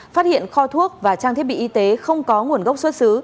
phát hiện kho thuốc và trang thiết bị y tế không có nguồn gốc xuất xứ